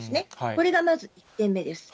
これがまず１点目です。